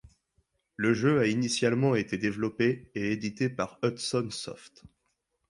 Le jeu a initialement été développé et édité par Hudson Soft.